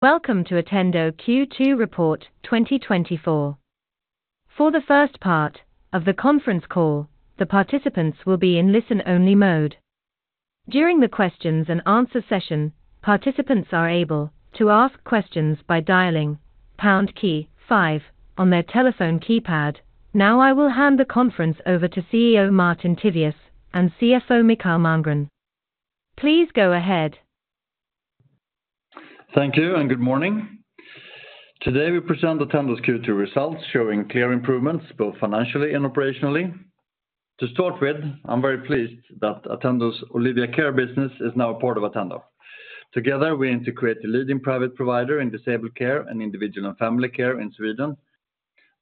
Welcome to Attendo Q2 Report 2024. For the first part of the conference call, the participants will be in listen-only mode. During the questions and answer session, participants are able to ask questions by dialing pound key five on their telephone keypad. Now I will hand the conference over to CEO Martin Tivéus, and CFO Mikael Malmgren. Please go ahead. Thank you, and good morning. Today, we present Attendo's Q2 results, showing clear improvements, both financially and operationally. To start with, I'm very pleased that Attendo's Olivia Care business is now a part of Attendo. Together, we integrate the leading private provider in disabled care and individual and family care in Sweden.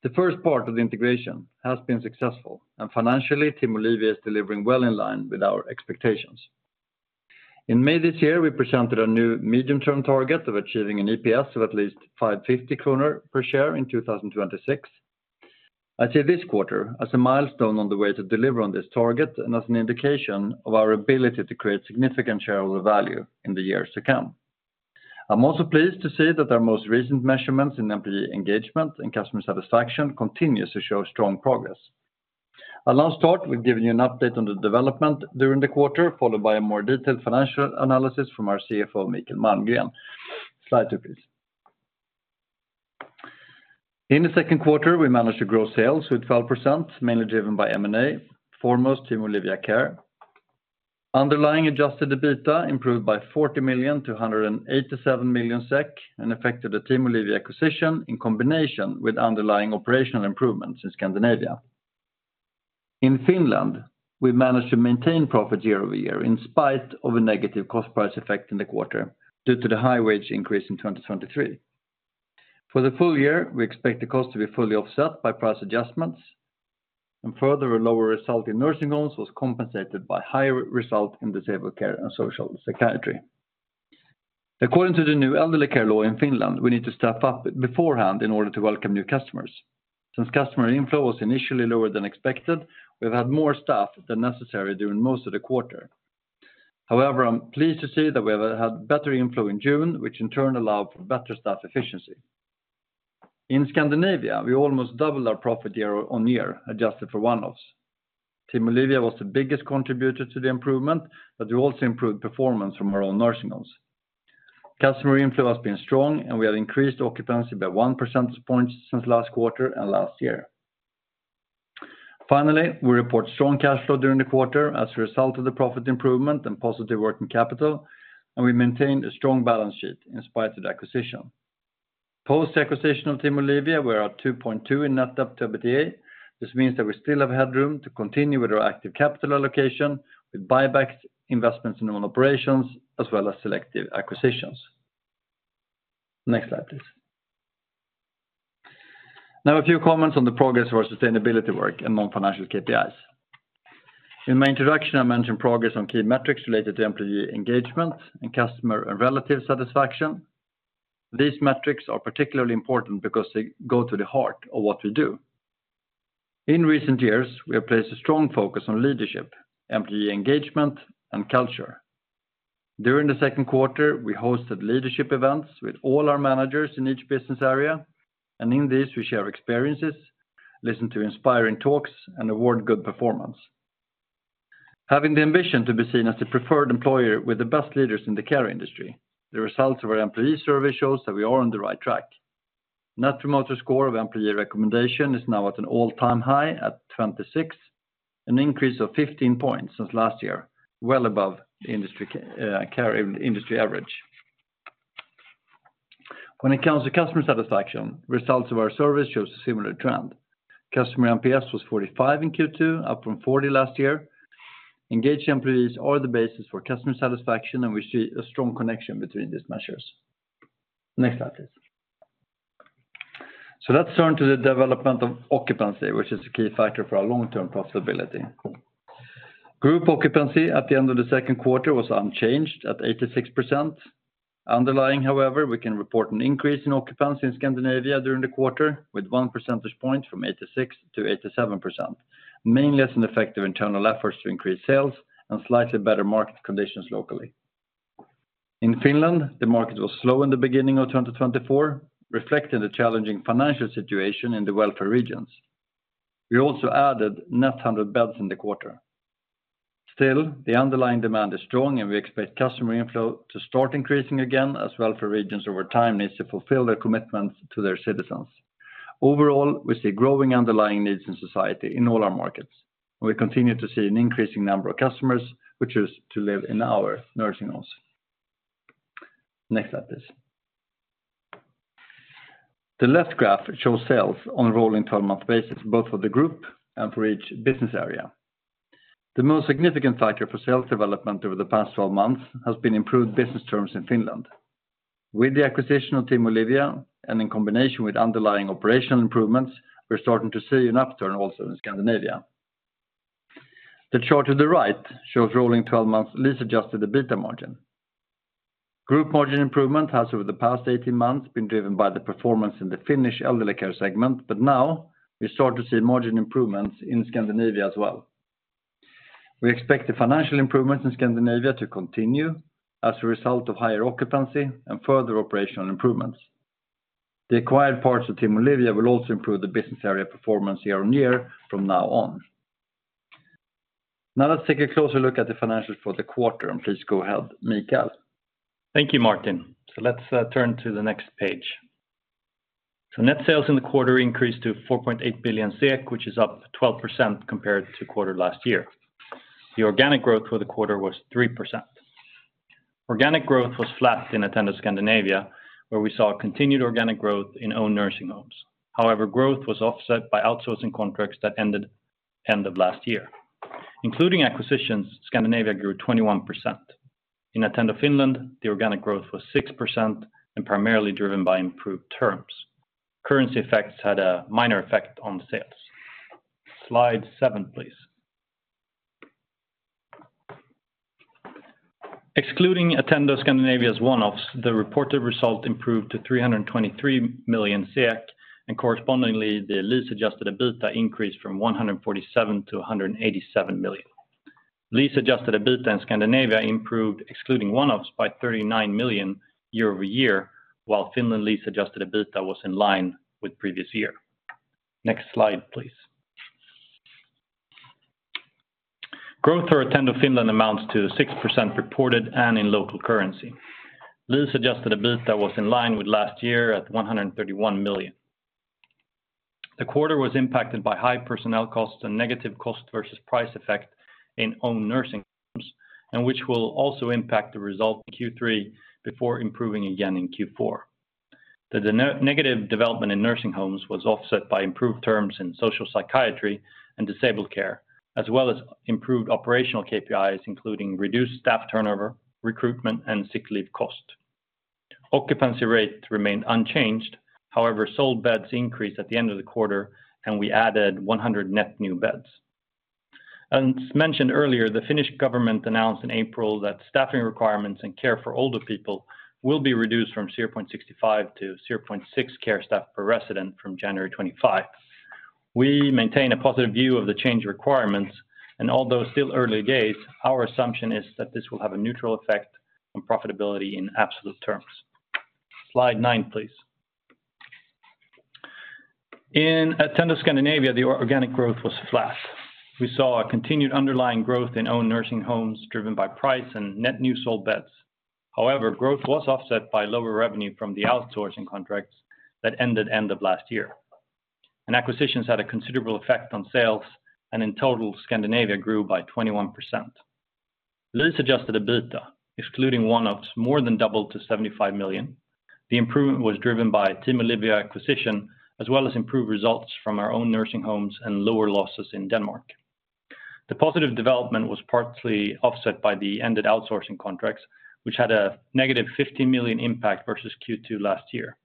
The first part of the integration has been successful, and financially, Team Olivia is delivering well in line with our expectations. In May this year, we presented a new medium-term target of achieving an EPS of at least 5.50 kronor per share in 2026. I see this quarter as a milestone on the way to deliver on this target and as an indication of our ability to create significant shareholder value in the years to come. I'm also pleased to see that our most recent measurements in employee engagement and customer satisfaction continues to show strong progress. I'll now start with giving you an update on the development during the quarter, followed by a more detailed financial analysis from our CFO, Mikael Malmgren. Slide two, please. In the Q2, we managed to grow sales with 12%, mainly driven by M&A, foremost, Team Olivia Care. Underlying adjusted EBITDA improved by 40 million to 187 million SEK, affected by the Team Olivia acquisition, in combination with underlying operational improvements in Scandinavia. In Finland, we managed to maintain profit year-over-year, in spite of a negative cost price effect in the quarter, due to the high wage increase in 2023. For the full year, we expect the cost to be fully offset by price adjustments, and further, a lower result in nursing homes was compensated by higher result in disabled care and social psychiatry. According to the new elderly care law in Finland, we need to staff up beforehand in order to welcome new customers. Since customer inflow was initially lower than expected, we've had more staff than necessary during most of the quarter. However, I'm pleased to see that we have had better inflow in June, which in turn allow for better staff efficiency. In Scandinavia, we almost doubled our profit year-on-year, adjusted for one-offs. Team Olivia was the biggest contributor to the improvement, but we also improved performance from our own nursing homes. Customer inflow has been strong, and we have increased occupancy by 1 percentage point since last quarter and last year. Finally, we report strong cash flow during the quarter as a result of the profit improvement and positive working capital, and we maintained a strong balance sheet in spite of the acquisition. Post-acquisition of Team Olivia, we are at 2.2 in net debt to EBITDA. This means that we still have headroom to continue with our active capital allocation, with buybacks, investments in all operations, as well as selective acquisitions. Next slide, please. Now, a few comments on the progress of our sustainability work and non-financial KPIs. In my introduction, I mentioned progress on key metrics related to employee engagement and customer and relative satisfaction. These metrics are particularly important because they go to the heart of what we do. In recent years, we have placed a strong focus on leadership, employee engagement, and culture. During the Q2, we hosted leadership events with all our managers in each business area, and in this, we share experiences, listen to inspiring talks, and award good performance. Having the ambition to be seen as the preferred employer with the best leaders in the care industry, the results of our employee survey shows that we are on the right track. Net Promoter Score of employee recommendation is now at an all-time high at 26, an increase of 15 points since last year, well above the care industry average. When it comes to customer satisfaction, results of our service shows a similar trend. Customer NPS was 45 in Q2, up from 40 last year. Engaged employees are the basis for customer satisfaction, and we see a strong connection between these measures. Next slide, please. Let's turn to the development of occupancy, which is a key factor for our long-term profitability. Group occupancy at the end of the Q2 was unchanged at 86%. Underlying, however, we can report an increase in occupancy in Scandinavia during the quarter, with one percentage point from 86% to 87%, mainly as an effective internal efforts to increase sales and slightly better market conditions locally. In Finland, the market was slow in the beginning of 2024, reflecting the challenging financial situation in the welfare regions. We also added net 100 beds in the quarter. Still, the underlying demand is strong, and we expect customer inflow to start increasing again, as welfare regions over time needs to fulfill their commitments to their citizens. Overall, we see growing underlying needs in society in all our markets, and we continue to see an increasing number of customers, which is to live in our nursing homes. Next slide, please. The left graph shows sales on a rolling 12-month basis, both for the group and for each business area. The most significant factor for sales development over the past 12 months has been improved business terms in Finland. With the acquisition of Team Olivia, and in combination with underlying operational improvements, we're starting to see an upturn also in Scandinavia. The chart to the right shows rolling 12 months lease-adjusted EBITDA margin. Group margin improvement has, over the past 18 months, been driven by the performance in the Finnish elderly care segment, but now we start to see margin improvements in Scandinavia as well. We expect the financial improvements in Scandinavia to continue as a result of higher occupancy and further operational improvements. The acquired parts of Team Olivia will also improve the business area performance year-on-year from now on. Now, let's take a closer look at the financials for the quarter, and please go ahead, Mikael. Thank you, Martin. So let's turn to the next page. So net sales in the quarter increased to 4.8 billion, which is up 12% compared to quarter last year. The organic growth for the quarter was 3%. Organic growth was flat in Attendo Scandinavia, where we saw continued organic growth in own nursing homes. However, growth was offset by outsourcing contracts that ended end of last year. Including acquisitions, Scandinavia grew 21%. In Attendo Finland, the organic growth was 6% and primarily driven by improved terms. Currency effects had a minor effect on sales. Slide seven, please. Excluding Attendo Scandinavia's one-offs, the reported result improved to 323 million SEK, and correspondingly, the lease-adjusted EBITDA increased from 147 million to 187 million. Lease-adjusted EBITDA in Scandinavia improved, excluding one-offs, by 39 million year-over-year, while Finland lease-adjusted EBITDA was in line with previous year. Next slide, please. Growth for Attendo Finland amounts to 6% reported and in local currency. Lease-adjusted EBITDA was in line with last year at 131 million. The quarter was impacted by high personnel costs and negative cost versus price effect in own nursing homes, and which will also impact the result in Q3 before improving again in Q4. The negative development in nursing homes was offset by improved terms in social psychiatry and disabled care, as well as improved operational KPIs, including reduced staff turnover, recruitment, and sick leave cost. Occupancy rates remained unchanged, however, sold beds increased at the end of the quarter, and we added 100 net new beds. As mentioned earlier, the Finnish government announced in April that staffing requirements and care for older people will be reduced from 0.65 to 0.6 care staff per resident from January 2025. We maintain a positive view of the change requirements, and although still early days, our assumption is that this will have a neutral effect on profitability in absolute terms. Slide 9, please. In Attendo Scandinavia, the organic growth was flat. We saw a continued underlying growth in own nursing homes, driven by price and net new sold beds. However, growth was offset by lower revenue from the outsourcing contracts that ended end of last year. Acquisitions had a considerable effect on sales, and in total, Scandinavia grew by 21%. Lease-adjusted EBITDA, excluding one-offs, more than doubled to 75 million. The improvement was driven by Team Olivia acquisition, as well as improved results from our own nursing homes and lower losses in Denmark. The positive development was partly offset by the ended outsourcing contracts, which had a negative 50 million impact versus Q2 last year.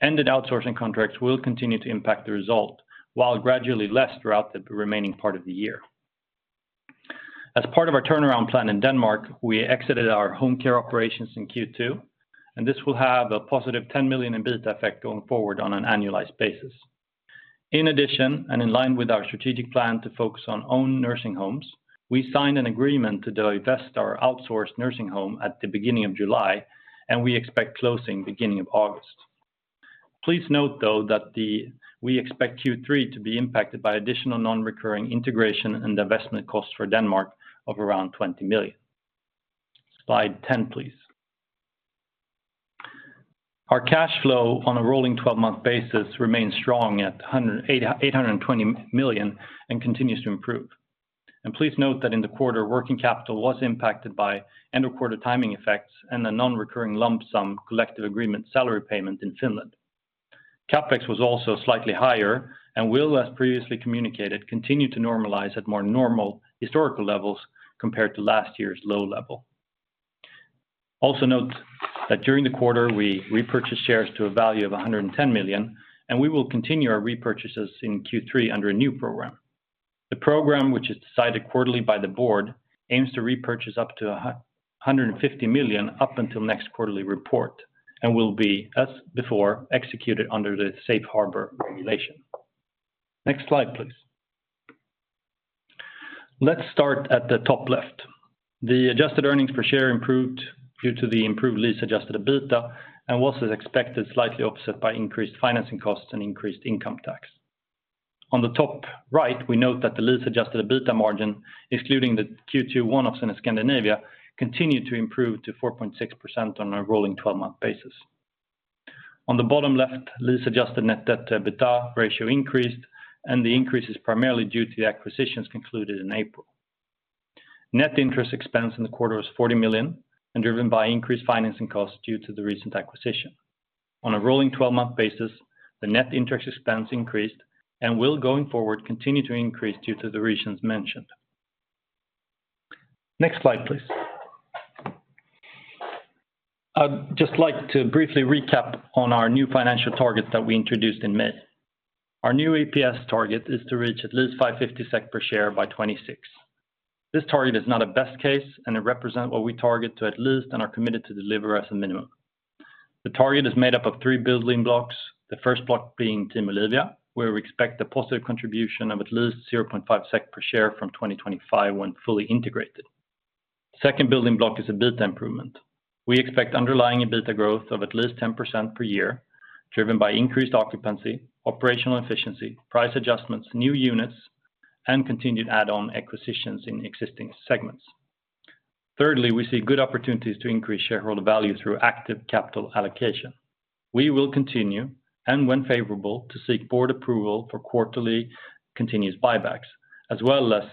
Ended outsourcing contracts will continue to impact the result, while gradually less throughout the remaining part of the year. As part of our turnaround plan in Denmark, we exited our home care operations in Q2, and this will have a positive 10 million in EBITDA effect going forward on an annualized basis. In addition, and in line with our strategic plan to focus on own nursing homes, we signed an agreement to divest our outsourced nursing home at the beginning of July, and we expect closing beginning of August. Please note, though, that we expect Q3 to be impacted by additional non-recurring integration and divestment costs for Denmark of around 20 million. Slide 10, please. Our cash flow on a rolling twelve-month basis remains strong at 820 million and continues to improve. And please note that in the quarter, working capital was impacted by end of quarter timing effects and a non-recurring lump sum collective agreement salary payment in Finland. CapEx was also slightly higher and will, as previously communicated, continue to normalize at more normal historical levels compared to last year's low level. Also note that during the quarter, we repurchased shares to a value of 110 million, and we will continue our repurchases in Q3 under a new program. The program, which is decided quarterly by the board, aims to repurchase up to 150 million up until next quarterly report and will be, as before, executed under the Safe Harbor regulation. Next slide, please. Let's start at the top left. The adjusted earnings per share improved due to the improved lease-adjusted EBITDA, and was, as expected, slightly offset by increased financing costs and increased income tax. On the top right, we note that the lease-adjusted EBITDA margin, excluding the Q2 one-offs in Scandinavia, continued to improve to 4.6% on a rolling twelve-month basis. On the bottom left, lease-adjusted net debt to EBITDA ratio increased, and the increase is primarily due to the acquisitions concluded in April. Net interest expense in the quarter was 40 million and driven by increased financing costs due to the recent acquisition. On a rolling 12-month basis, the net interest expense increased and will, going forward, continue to increase due to the reasons mentioned. Next slide, please. I'd just like to briefly recap on our new financial targets that we introduced in May. Our new EPS target is to reach at least 5.50 SEK per share by 2026. This target is not a best case, and it represent what we target to at least and are committed to deliver as a minimum.... The target is made up of 3 building blocks, the first block being Team Olivia, where we expect a positive contribution of at least 0.5 SEK per share from 2025 when fully integrated. Second building block is an EBITDA improvement. We expect underlying EBITDA growth of at least 10% per year, driven by increased occupancy, operational efficiency, price adjustments, new units, and continued add-on acquisitions in existing segments. Thirdly, we see good opportunities to increase shareholder value through active capital allocation. We will continue, and when favorable, to seek board approval for quarterly continuous buybacks, as well as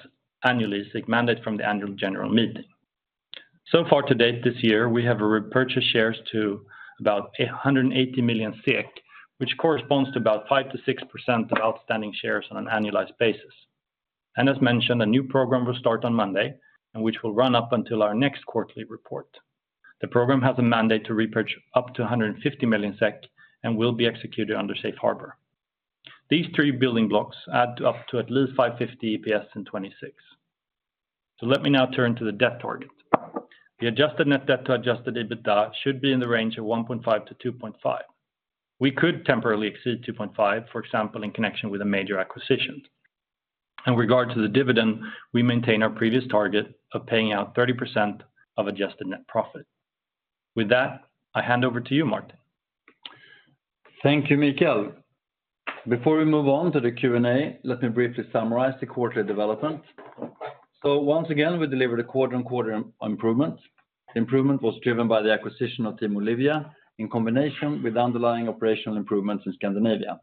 annually seek mandate from the annual general meeting. So far to date, this year, we have repurchased shares to about 180 million, which corresponds to about 5%-6% of outstanding shares on an annualized basis. As mentioned, a new program will start on Monday, and which will run up until our next quarterly report. The program has a mandate to repurchase up to 150 million SEK, and will be executed under Safe Harbor. These three building blocks add up to at least 5.50 EPS in 2026. So let me now turn to the debt target. The adjusted net debt to adjusted EBITDA should be in the range of 1.5-2.5. We could temporarily exceed 2.5, for example, in connection with a major acquisition. In regard to the dividend, we maintain our previous target of paying out 30% of adjusted net profit. With that, I hand over to you, Martin. Thank you, Mikael. Before we move on to the Q&A, let me briefly summarize the quarterly development. So once again, we delivered a quarter-on-quarter improvement. Improvement was driven by the acquisition of Team Olivia, in combination with underlying operational improvements in Scandinavia.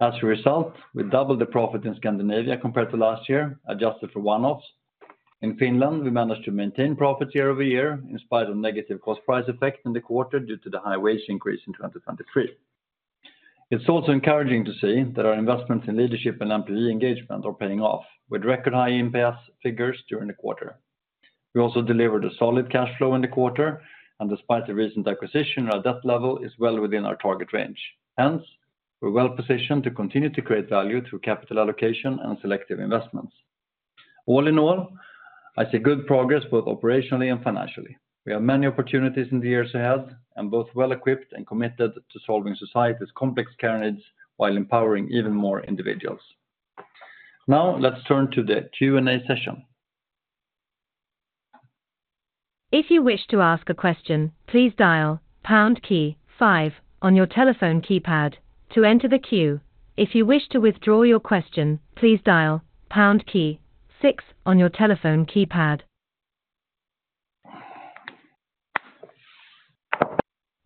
As a result, we doubled the profit in Scandinavia compared to last year, adjusted for one-offs. In Finland, we managed to maintain profits year-over-year, in spite of negative cost price effect in the quarter due to the high wage increase in 2023. It's also encouraging to see that our investments in leadership and employee engagement are paying off, with record high NPS figures during the quarter. We also delivered a solid cash flow in the quarter, and despite the recent acquisition, our debt level is well within our target range. Hence, we're well-positioned to continue to create value through capital allocation and selective investments. All in all, I see good progress, both operationally and financially. We have many opportunities in the years ahead, and both well-equipped and committed to solving society's complex care needs, while empowering even more individuals. Now, let's turn to the Q&A session. If you wish to ask a question, please dial pound key five on your telephone keypad to enter the queue. If you wish to withdraw your question, please dial pound key six on your telephone keypad.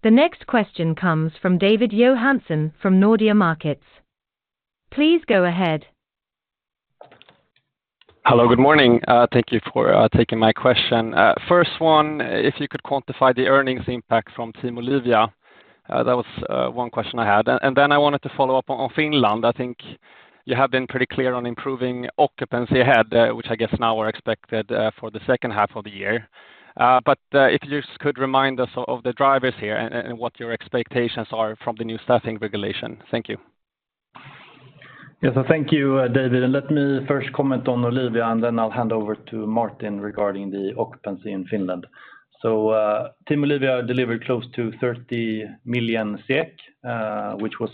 The next question comes from David Johansson from Nordea Markets. Please go ahead. Hello, good morning. Thank you for taking my question. First one, if you could quantify the earnings impact from Team Olivia? That was one question I had. And then I wanted to follow up on Finland. I think you have been pretty clear on improving occupancy ahead, which I guess now are expected for the H2 of the year. But if you just could remind us of the drivers here and what your expectations are from the new staffing regulation. Thank you. Yeah, so thank you, David, and let me first comment on Olivia, and then I'll hand over to Martin regarding the occupancy in Finland. So, Team Olivia delivered close to 30 million SEK, which was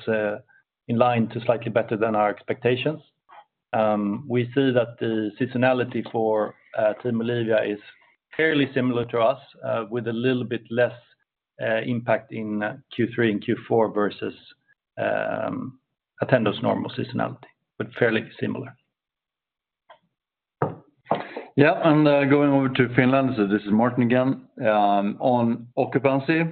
in line to slightly better than our expectations. We see that the seasonality for Team Olivia is fairly similar to us, with a little bit less impact in Q3 and Q4 versus Attendo's normal seasonality, but fairly similar. Yeah, and, going over to Finland, so this is Martin again. On occupancy,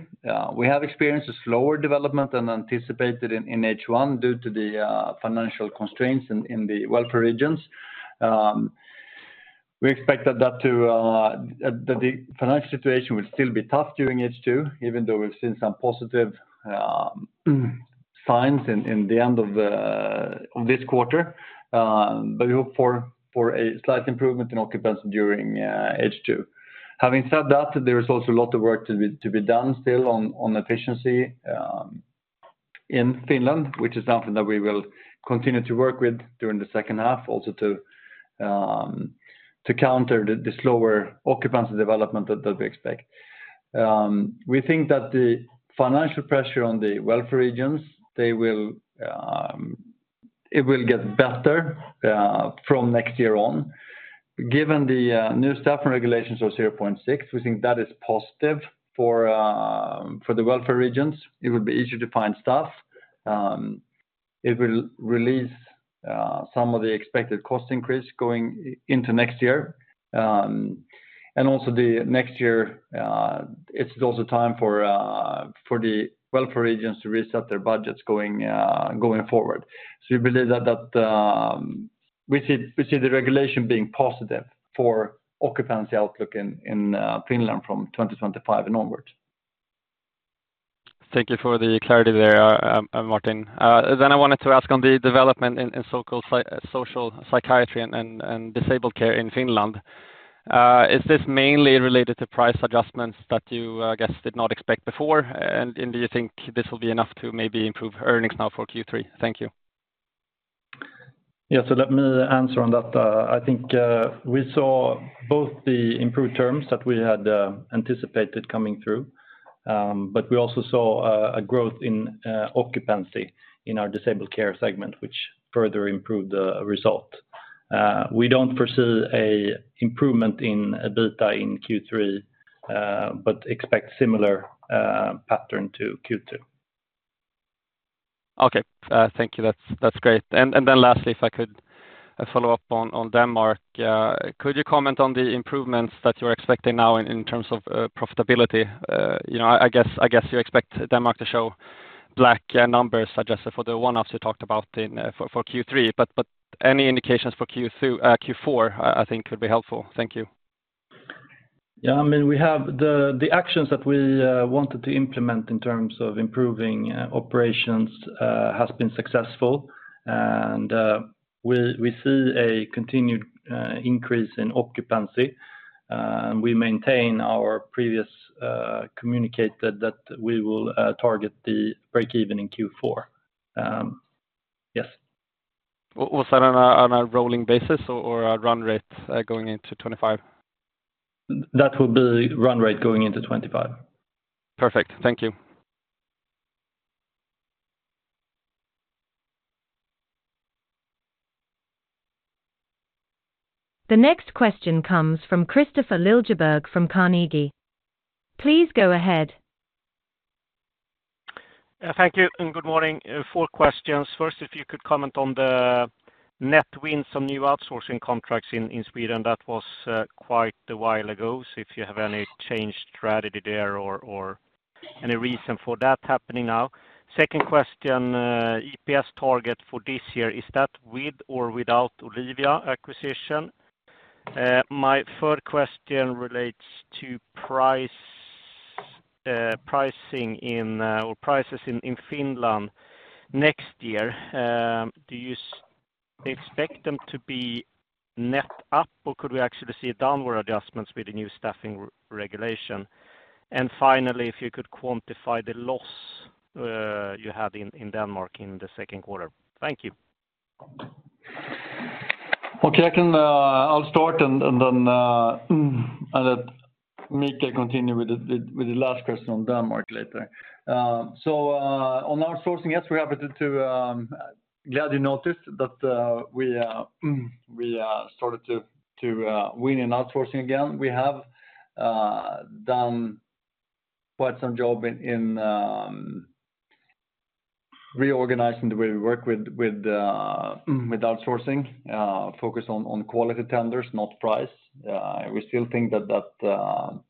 we have experienced a slower development than anticipated in, in H1 due to the financial constraints in, in the welfare regions. We expect that the financial situation will still be tough during H2, even though we've seen some positive signs in, in the end of this quarter. But we hope for a slight improvement in occupancy during H2. Having said that, there is also a lot of work to be done still on efficiency in Finland, which is something that we will continue to work with during the H2, also to counter the slower occupancy development that we expect. We think that the financial pressure on the welfare regions, they will, it will get better, from next year on. Given the, new staffing regulations of 0.6, we think that is positive for, for the welfare regions. It will be easier to find staff. It will release, some of the expected cost increase going into next year. And also the next year, it's also time for, for the welfare regions to reset their budgets going, going forward. So we believe that, that, we see, we see the regulation being positive for occupancy outlook in, in, Finland from 2025 and onwards. Thank you for the clarity there, Martin. Then I wanted to ask on the development in so-called psychosocial psychiatry and disabled care in Finland. Is this mainly related to price adjustments that you guys did not expect before? And do you think this will be enough to maybe improve earnings now for Q3? Thank you.... Yeah, so let me answer on that. I think we saw both the improved terms that we had anticipated coming through, but we also saw a growth in occupancy in our disabled care segment, which further improved the result. We don't foresee an improvement in EBITDA in Q3, but expect similar pattern to Q2. Okay. Thank you. That's, that's great. And, and then lastly, if I could follow up on, on Denmark. Could you comment on the improvements that you're expecting now in, in terms of, profitability? You know, I, I guess, I guess you expect Denmark to show black, numbers, adjusted for the one-offs you talked about in, for, for Q3, but, but any indications for Q2, Q4, I think would be helpful. Thank you. Yeah, I mean, we have the actions that we wanted to implement in terms of improving operations has been successful, and we see a continued increase in occupancy. And we maintain our previous communicate that we will target the break-even in Q4. Yes. Was that on a rolling basis or a run rate, going into 2025? That will be run rate going into 2025. Perfect. Thank you. The next question comes from Kristofer Liljeberg from Carnegie. Please go ahead. Thank you, and good morning. Four questions. First, if you could comment on the net wins on new outsourcing contracts in Sweden. That was quite a while ago. So if you have any changed strategy there or any reason for that happening now? Second question, EPS target for this year, is that with or without Olivia acquisition? My third question relates to price, pricing in, or prices in Finland next year. Do you expect them to be net up, or could we actually see downward adjustments with the new staffing regulation? And finally, if you could quantify the loss you had in Denmark in the Q2. Thank you. Okay, I can. I'll start and then I let Micke continue with the last question on Denmark later. So, on outsourcing, yes, we are happy, glad you noticed that we started to win in outsourcing again. We have done quite some job in reorganizing the way we work with outsourcing. Focus on quality tenders, not price. We still think that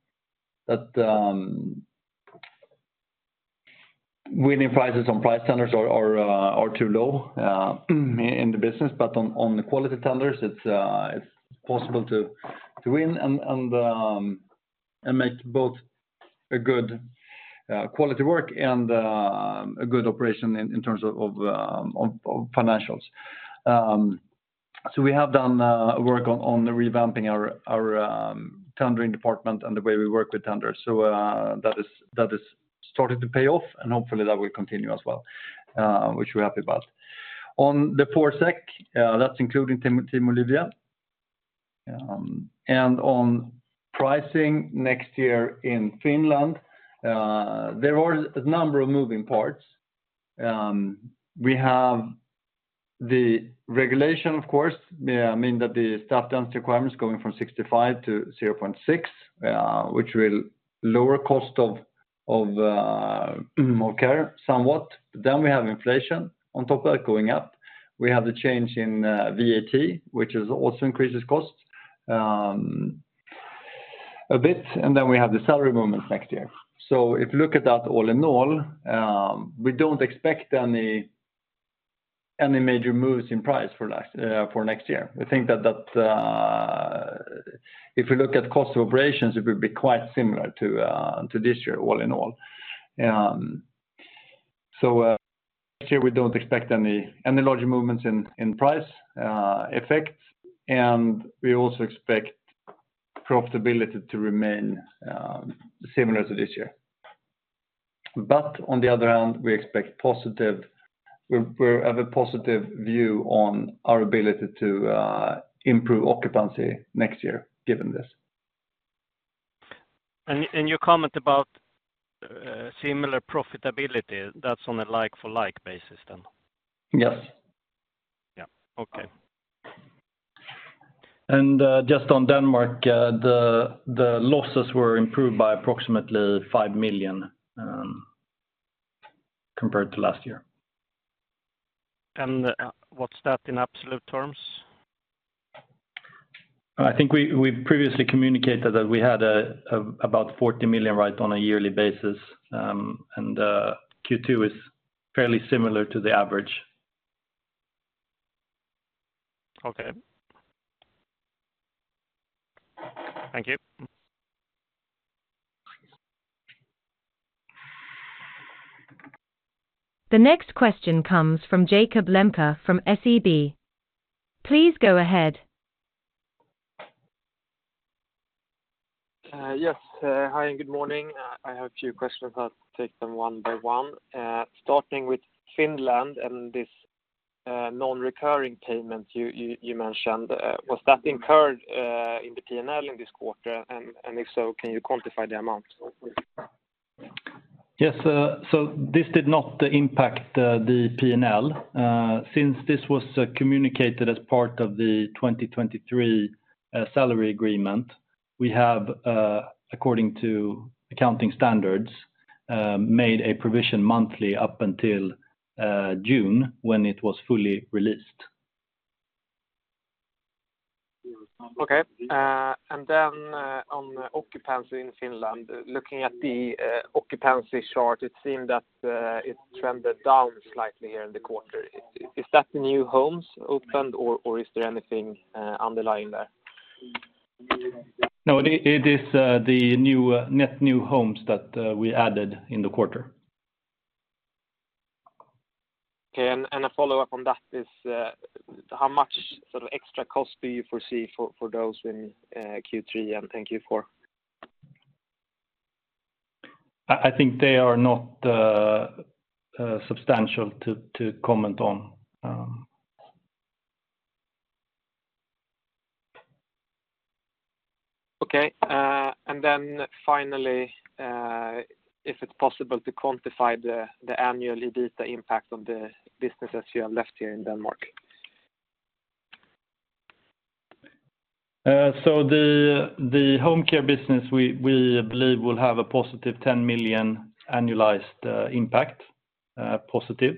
winning prices on price tenders are too low in the business, but on the quality tenders, it's possible to win and make both a good quality work and a good operation in terms of financials. So we have done work on revamping our tendering department and the way we work with tenders. So that is starting to pay off, and hopefully that will continue as well, which we're happy about. On the 4 SEK, that's including Team Olivia. And on pricing next year in Finland, there are a number of moving parts. We have the regulation, of course, mean that the staffing requirements going from 65 to 0.6, which will lower cost of more care somewhat. Then we have inflation on top of that going up. We have the change in VAT, which is also increases costs a bit, and then we have the salary movement next year. If you look at that all in all, we don't expect any major moves in price for last, for next year. We think that if we look at cost of operations, it will be quite similar to this year, all in all. Here we don't expect any larger movements in price effect, and we also expect profitability to remain similar to this year. But on the other hand, we expect positive, we, we have a positive view on our ability to improve occupancy next year, given this. Your comment about similar profitability, that's on a like for like basis then? Yes. Yeah. Okay. Just on Denmark, the losses were improved by approximately 5 million compared to last year. What's that in absolute terms? I think we, we've previously communicated that we had about 40 million, right, on a yearly basis. Q2 is fairly similar to the average. Okay. Thank you. The next question comes from Jakob Lembke from SEB. Please go ahead.... Yes. Hi, and good morning. I have a few questions, I'll take them one by one. Starting with Finland and this non-recurring payment you mentioned. Was that incurred in the PNL in this quarter? And if so, can you quantify the amount? Yes, so this did not impact the P&L. Since this was communicated as part of the 2023 salary agreement, we have, according to accounting standards, made a provision monthly up until June, when it was fully released. Okay. And then, on occupancy in Finland, looking at the, occupancy chart, it seemed that, it trended down slightly here in the quarter. Is that the new homes opened or is there anything underlying there? No, it is the new net new homes that we added in the quarter. Okay, and a follow-up on that is, how much sort of extra cost do you foresee for those in Q3 and Q4? I think they are not substantial to comment on. Okay. And then finally, if it's possible to quantify the annual EBITDA impact on the businesses you have left here in Denmark? So the home care business, we believe, will have a positive 10 million annualized impact, positive.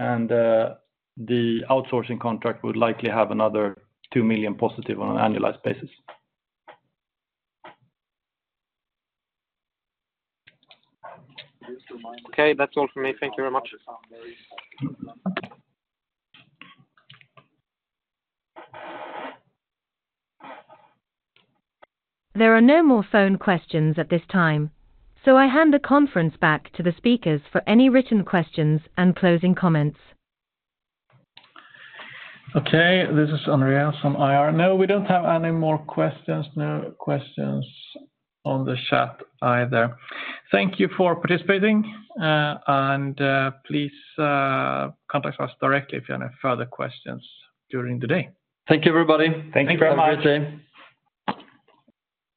And the outsourcing contract would likely have another 2 million positive on an annualized basis. Okay, that's all for me. Thank you very much. There are no more phone questions at this time, so I hand the conference back to the speakers for any written questions and closing comments. Okay, this is Andreas from IR. No, we don't have any more questions. No questions on the chat either. Thank you for participating, and please contact us directly if you have any further questions during the day. Thank you, everybody. Thank you very much. Have a great day.